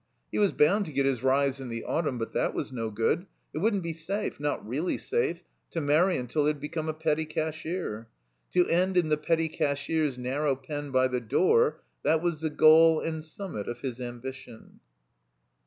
He was boimd to get his rise in the auttunn. But that ^as no good. It wouldn't be safe, not really safe, to marry until he had become a petty cashier. To end in the petty cashier's narrow pen by the door, that was the goal and summit of his ambition.